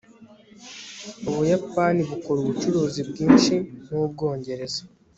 ubuyapani bukora ubucuruzi bwinshi nu bwongereza